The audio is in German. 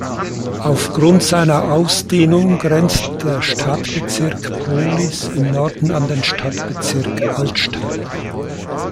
Auf Grund seiner Ausdehnung grenzt der Stadtbezirk Prohlis im Norden an den Stadtbezirk Altstadt.